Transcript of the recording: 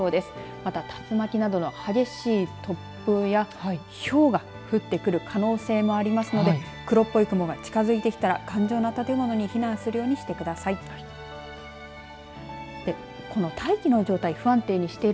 また、竜巻などの激しい突風やひょうが降ってくる可能性もありますので黒っぽい雲が近づいてきたら頑丈な建物に避難するようにしてください。